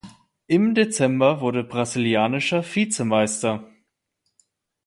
Im Dezember wurde Brasilianischer Vizemeister.